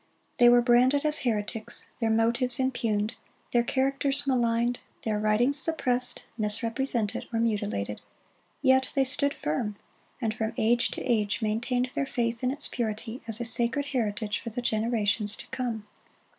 They were branded as heretics, their motives impugned, their characters maligned, their writings suppressed, misrepresented, or mutilated. Yet they stood firm, and from age to age maintained their faith in its purity, as a sacred heritage for the generations to come.